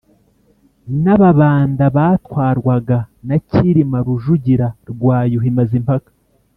n’Ababanda batwarwaga na Cyilima Rujugira rwa Yuhi Mazimpaka